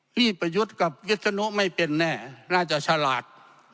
พี่ปะยุทธ์กับวิจันทร์มึงไม่เป็นแน่น่าจะชลาด